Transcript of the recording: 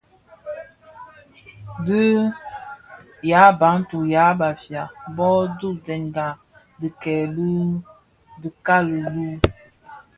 Bi yaa Bantu (yan Bafia) bo dhubtènga dhikèè bi dhikali dü,